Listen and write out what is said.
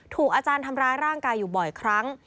อาจารย์ทำร้ายร่างกายอยู่บ่อยครั้ง